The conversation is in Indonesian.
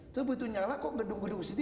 itu butuh nyala kok gedung gedung sini